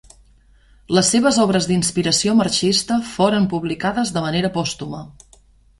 Les seves obres d'inspiració marxista foren publicades de manera pòstuma.